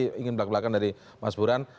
saya ingin belak belakan dari mas buran